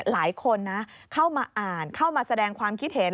หลายคนนะเข้ามาอ่านเข้ามาแสดงความคิดเห็น